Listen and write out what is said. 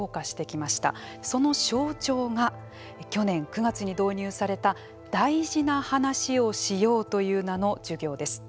その象徴が去年９月に導入された「大事な話をしよう」という名の授業です。